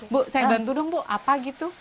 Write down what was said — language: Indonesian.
bu saya bantu dong bu apa gitu